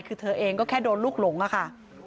คือเธอเองก็แค่โดนลูกหลงอะค่ะ